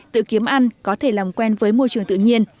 tự kiếm ăn có thể làm quen với môi trường tự nhiên